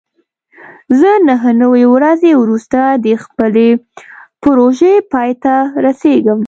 زه نهه نوي ورځې وروسته د خپلې پروژې پای ته رسېږم.